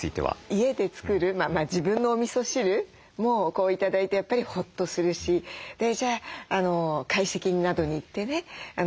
家で作る自分のおみそ汁も頂いてやっぱりホッとするしじゃあ懐石などに行ってね出てくる